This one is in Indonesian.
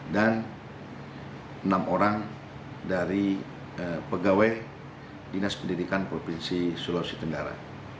dan enam orang dari pegawai dinas pendidikan provinsi sulawesi tenggara